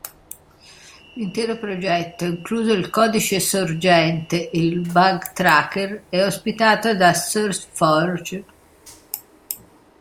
L'intero progetto, incluso il codice sorgente e il bug tracker, è ospitato da SourceForge.